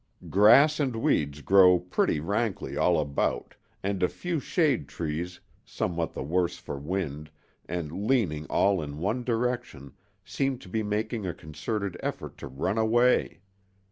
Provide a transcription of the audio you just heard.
Grass and weeds grow pretty rankly all about, and a few shade trees, somewhat the worse for wind, and leaning all in one direction, seem to be making a concerted effort to run away.